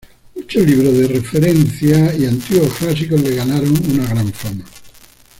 Muchos libros de referencia y antiguos clásicos le ganaron una gran fama.